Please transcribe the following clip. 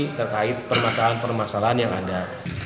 terkait permasalahan permasalahan yang ada